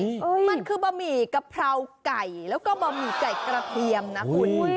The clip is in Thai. มันคือบะหมี่กะเพราไก่แล้วก็บะหมี่ไก่กระเทียมนะคุณ